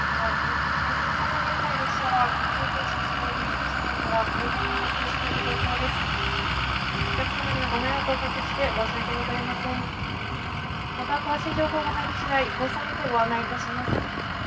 そのため現在列車は緊急停止しており、車内では停電が発生している状況です。